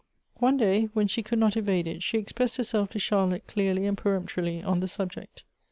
One day when she could not evade it, she expressed herself to Charlotte clearly and per emptorily on the subject.